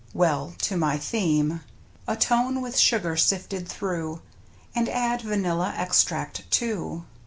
. Well, to my theme. Atone with sugar sifted through. And add vanilla extract, too.